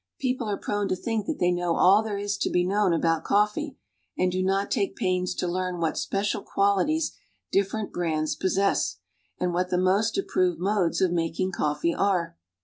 People are prone to think that they know all there is to be known about coffee, and do not take pains to learn what special qualities different brands possess, and what the most approved modes of making coffee are.